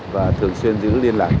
và thường xuyên giữ liên lạc